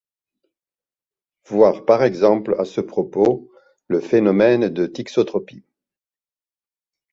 Voir par exemple à ce propos le phénomène de thixotropie.